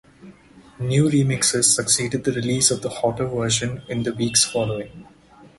New remixes succeeded the release of the "Hotter" version in the weeks following.